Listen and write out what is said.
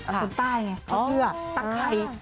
คนใต้ไงเขาเชื่อตะไข่